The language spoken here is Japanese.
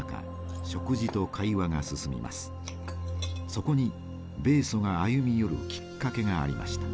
そこに米ソが歩み寄るきっかけがありました。